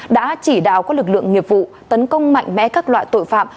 đã chỉ đạo các lực lượng nghiệp vụ tấn công mạnh mẽ các loại tội phạm